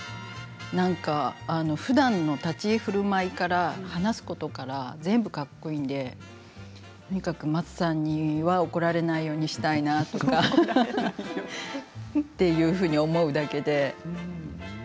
何かふだんの立ち居振る舞いから話すことから全部かっこいいのでとにかく松さんには怒られないようにしたいなとかというふうに思うだけで。